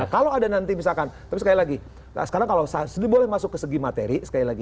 kalau ada nanti misalkan tapi sekali lagi sekarang kalau boleh masuk ke segi materi